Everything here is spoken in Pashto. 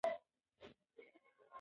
اسلام یوازې یو جنس نه مخاطب کوي.